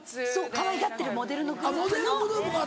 かわいがってるモデルのグループの子。